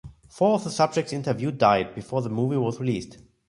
Four of the subjects interviewed died before the movie was released.